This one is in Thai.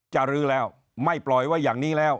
รื้อแล้วไม่ปล่อยไว้อย่างนี้แล้ว